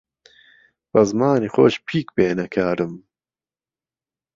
به زمانی خۆش پیک بێنه کارم